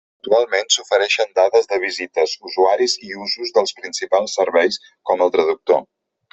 Actualment s'ofereixen dades de visites, usuaris i usos dels principals serveis, com el traductor.